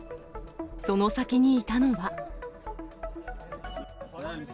その先にいたのは。